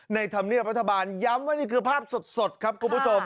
ธรรมเนียบรัฐบาลย้ำว่านี่คือภาพสดครับคุณผู้ชม